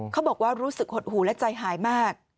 เขาบอกรู้สึกหดหูและใจหายมาก